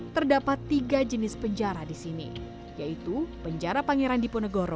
terdapat tiga jenis penjara di sini yaitu penjara pangeran diponegoro